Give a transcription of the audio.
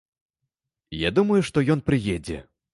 Я думаю, што ён прыедзе.